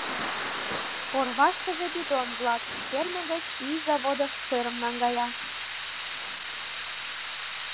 Орваштыже бидон-влак: ферме гыч ӱй заводыш шӧрым наҥгая.